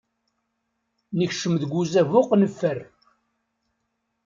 Nekcem deg uzabuq neffer.